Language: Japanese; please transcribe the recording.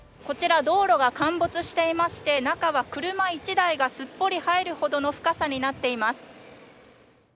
こちら、道路が陥没していまして中は車１台がすっぽり入るほどの深さになっています。